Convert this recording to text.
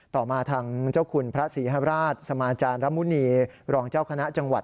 ต่อมาทางเจ้าคุณพระศรีฮราชสมาจารย์ระมุณีรองเจ้าคณะจังหวัด